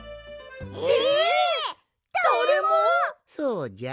そうじゃ。